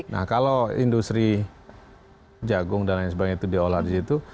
nah kalau industri jagung dan lain sebagainya itu diolah di situ